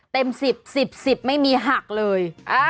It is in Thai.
เต็ม๑๐ไม่มีหักเลย